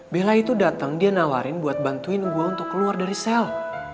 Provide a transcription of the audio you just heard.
bela itu datang dia nawarin buat bantuin gue untuk keluar dari sel